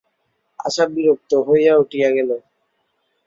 আশা বিরক্ত হইয়া উঠিয়া গেল।